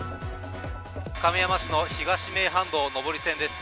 亀山市の東名阪自動車道・上り線です。